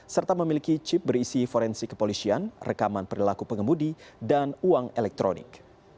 serta memiliki chip berisi forensik kepolisian rekaman perilaku pengemudi dan uang elektronik